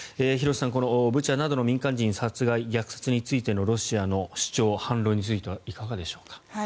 廣瀬さん、このブチャなどの民間人殺害、虐殺についてのロシアの主張、反論についてはいかがでしょうか。